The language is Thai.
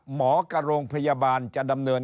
กับโรงพยาบาลจะดำเนิน